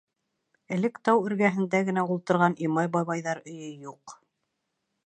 Элек тау эргәһендә генә ултырған Имай бабайҙар өйө юҡ.